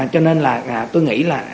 cho nên là tôi nghĩ là